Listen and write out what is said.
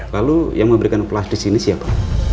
lalu yang memberikan plastik disini siapa